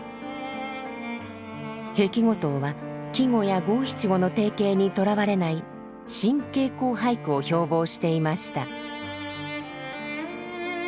碧梧桐は季語や五七五の定型にとらわれない新傾向俳句を標ぼうしていました。